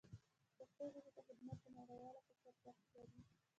پښتو ژبې ته خدمت په نړیواله کچه ارزښت لري.